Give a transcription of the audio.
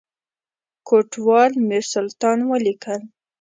کوټوال میرسلطان ولیکل.